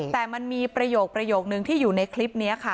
แต่มันมีประโยคนึงที่อยู่ในคลิปนี้ค่ะ